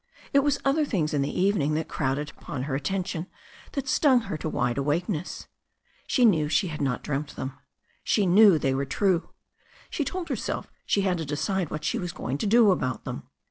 It was other things in the evening that crowded upon her attention, that stung her to wide awakeness. She knew she had not dreamt them. She knew they were true. She told herself she had to decide what she was going to do about them.